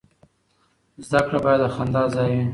زده کړه باید د خندا ځای وي.